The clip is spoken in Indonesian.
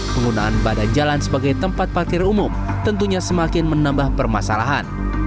penggunaan badan jalan sebagai tempat parkir umum tentunya semakin menambah permasalahan